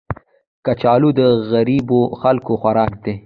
کچالو د غریبو خلکو خوراک دی